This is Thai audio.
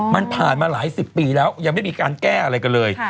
มันผ่านมาหลายสิบปีแล้วยังไม่มีการแก้อะไรกันเลย